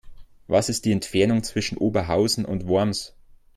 Was ist die Entfernung zwischen Oberhausen und Worms?